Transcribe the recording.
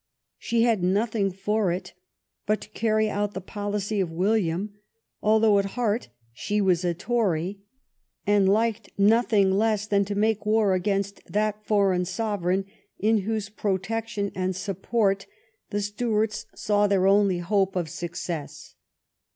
She had nothing for it but to carry out the policy of William, although at heart she was a Tory, and liked nothing less than to make war against that foreign sovereign in whose protection and support the Stuarts saw their only hope 259 THE REIGN OF QUEEN ANNE of success.